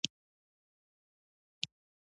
د خپل خيرن ټکري پيڅکه يې د پيالې پر ژۍ تېره کړه.